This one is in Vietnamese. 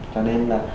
cho nên là